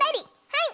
はい！